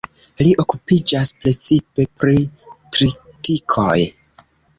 Li okupiĝas precipe pri tritikoj.